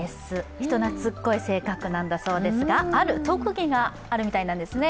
人なつっこい性格なんだそうですが、ある特技があるみたいなんですね